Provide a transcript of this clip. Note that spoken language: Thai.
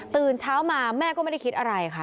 ตื่นเช้ามาแม่ก็ไม่ได้คิดอะไรค่ะ